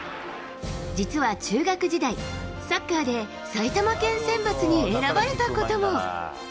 実は中学時代、サッカーで埼玉県選抜に選ばれたことも。